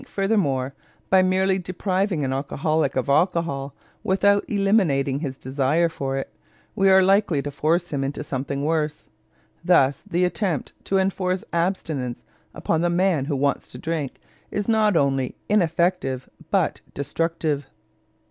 Furthermore, by merely depriving an alcoholic of alcohol without eliminating his desire for it, we are likely to force him into something worse. Thus the attempt to enforce abstinence upon the man who wants to drink is not only ineffective, but destructive.